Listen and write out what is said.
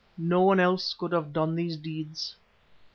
No one else could have done these deeds."